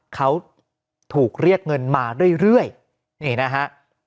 เขาถูกเรียกเงินมาเรื่อยนี่นะฮะ